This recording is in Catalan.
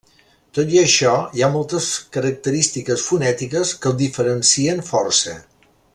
Tot i això, hi ha moltes característiques fonètiques que el diferencien força.